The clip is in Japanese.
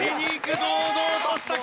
堂々とした顔！